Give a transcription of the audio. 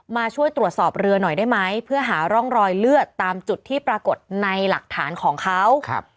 มาช่วยตรวจสอบเรือหน่อยได้ไหมเพื่อหาร่องรอยเลือดตามจุดที่ปรากฏในหลักฐานของเขา